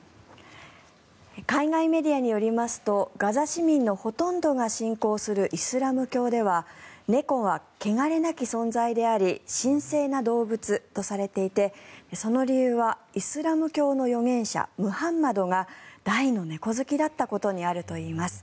海外メディアによりますとガザ市民のほとんどが信仰するイスラム教では猫はけがれなき存在であり神聖な動物とされていてその理由はイスラム教の預言者ムハンマドが大の猫好きだったことにあるといいます。